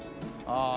ああ！